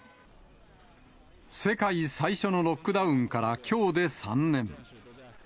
世界最初のロックダウンからきょうで３年。